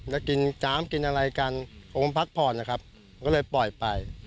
แล้วกินน้ำกินอะไรกันคงพักผ่อนนะครับก็เลยปล่อยไป